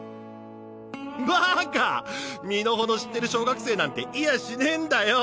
バーカ身の程知ってる小学生なんて居やしねえんだよ。